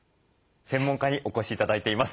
専門家にお越し頂いています。